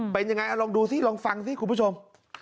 เป็นยังไงลองดูสิลองฟังสิคุณผู้ชม